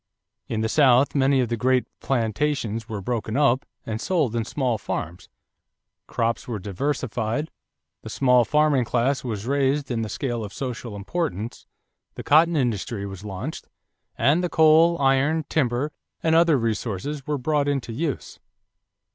In the South many of the great plantations were broken up and sold in small farms, crops were diversified, the small farming class was raised in the scale of social importance, the cotton industry was launched, and the coal, iron, timber, and other resources were brought into use.